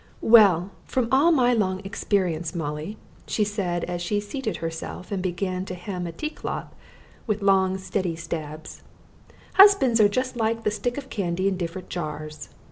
"Well, from all my long experience, Molly," she said as she seated herself and began to hem a tea cloth with long steady stabs, "husbands are just like sticks of candy in different jars.